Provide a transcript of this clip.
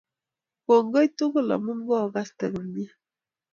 Kongoi tugul amu kogaste komie